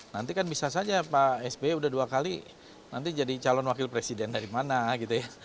nanti kan bisa saja pak sby udah dua kali nanti jadi calon wakil presiden dari mana gitu ya